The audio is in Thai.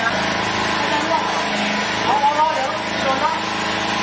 อันดับที่สุดท้ายก็จะเป็น